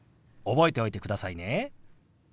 覚えておいてくださいね。